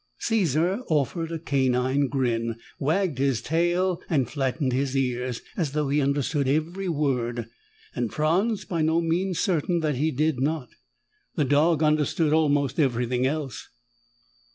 Caesar offered a canine grin, wagged his tail and flattened his ears, as though he understood every word, and Franz was by no means certain that he did not. The dog understood almost everything else.